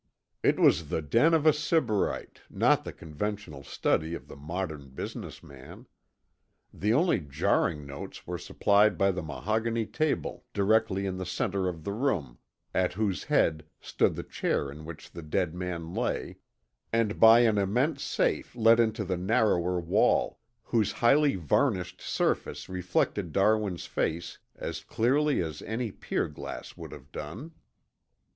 It was the den of a sybarite, not the conventional study of the modern business man. The only jarring notes were supplied by the mahogany table directly in the center of the room, at whose head stood the chair in which the dead man lay, and by an immense safe let into the narrower wall, whose highly varnished surface reflected Darwin's face as clearly as any pier glass would have done.